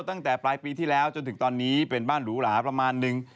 ตั้งแต่ปลายปีที่แล้วจนถึงตอนนี้เป็นบ้านหรูหราประมาณนึง